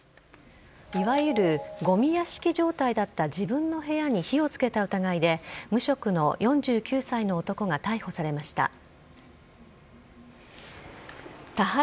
いわゆるごみ屋敷状態だった自分の部屋に火をつけた疑いで、無職の４９歳の男が逮捕されました。